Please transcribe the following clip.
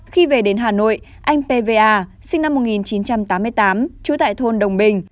khi về đến hà nội anh pva sinh năm một nghìn chín trăm tám mươi tám trú tại thôn đồng bình